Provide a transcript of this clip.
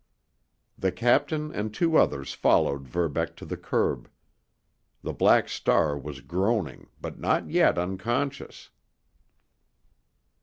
The captain and two others followed Verbeck to the curb. The Black Star was groaning, but not yet conscious.